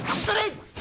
それ！